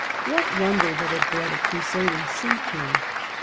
What wonder that it bred a crusading sea king!